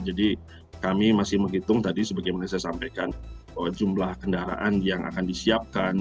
jadi kami masih menghitung tadi sebagaimana saya sampaikan jumlah kendaraan yang akan disiapkan